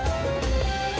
sampai jumpa lagi